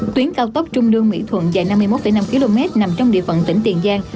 tuyến cao tốc trung lương mỹ thuận dài năm mươi một năm km nằm trong địa phận tỉnh tiền giang